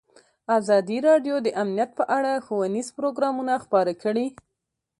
ازادي راډیو د امنیت په اړه ښوونیز پروګرامونه خپاره کړي.